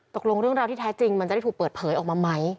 ตกลงเรื่องราวที่แท้จริงมันจะได้ถูกเปิดเผยออกมาไหม